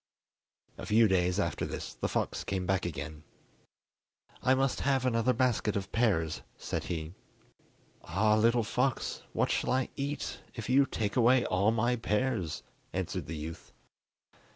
A few days after this the fox came back again. "I must have another basket of pears," said he. "Ah, little fox, what shall I eat if you take away all my pears?" answered the youth.